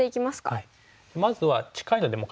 はい。